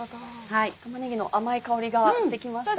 玉ねぎの甘い香りがしてきました。